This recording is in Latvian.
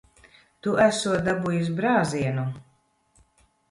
Tu esot dabūjis brāzienu.